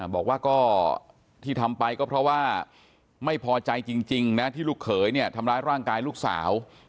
บอกว่าก็ที่ทำไปก็เพราะว่าไม่พอใจจริงนะที่ลูกเขยเนี่ยทำร้ายร่างกายลูกสาว